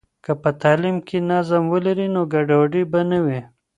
که په تعلیم کې نظم ولري، نو ګډوډي به نه وي.